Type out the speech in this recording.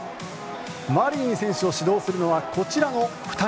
マリニン選手を指導するのはこちらの２人。